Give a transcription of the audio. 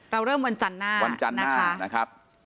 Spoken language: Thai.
เราเริ่มวันจันทร์หน้านะคะ